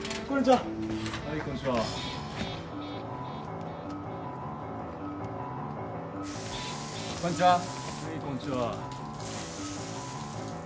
はいこんにちは。